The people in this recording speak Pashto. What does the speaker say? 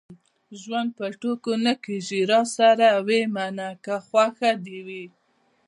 ژوند په ټوکو نه کېږي. راسره ويې منه که خوښه دې وي.